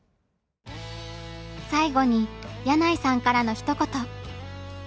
最後に箭内さんからの「ひと言」。